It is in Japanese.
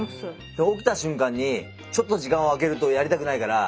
起きた瞬間にちょっと時間を空けるとやりたくないから。